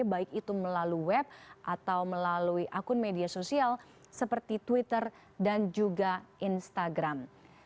baik itu melalui web atau melalui akun media sosial seperti twitter dan juga instagram